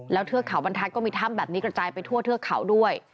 เทือกเขาบรรทัศน์ก็มีถ้ำแบบนี้กระจายไปทั่วเทือกเขาด้วย